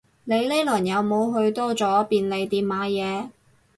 你呢輪有冇去多咗便利店買嘢